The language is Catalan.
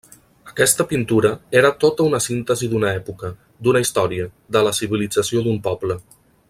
Aquesta pintura era tota una síntesi d'una època, d'una història, de la civilització d'un poble.